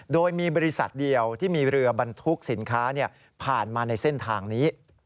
โดยมีบริษัทเดียวที่มีเรือบรรทุกสินค้าผ่านมาในเส้นทางนี้